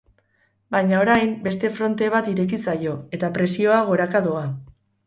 Baina orain beste fronte bat ireki zaio, eta presioa goraka doa.